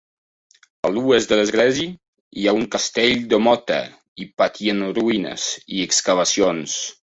A l'oest de l'església hi ha un castell de mota i pati en ruïnes i excavacions.